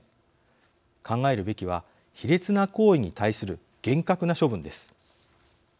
考えるべきは卑劣な行為に対する厳格な処分です。